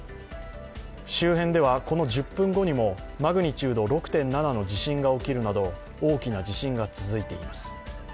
周辺ではこの１０分後にもマグニチュード６．７の地震が起きるなど大きな地震が続いています。